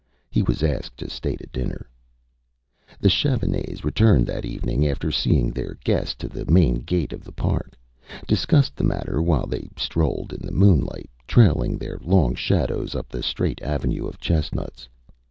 He was asked to stay to dinner. The Chavanes returning that evening, after seeing their guest to the main gate of the park, discussed the matter while they strolled in the moonlight, trailing their long shadows up the straight avenue of chestnuts.